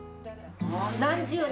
何十年。